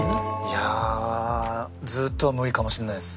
いやあずっとは無理かもしれないです。